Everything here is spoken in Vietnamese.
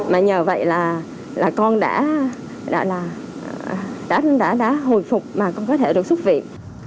mà nhờ vậy là con đã hồi phục mà con có thể được xuất viện